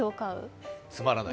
つまらない。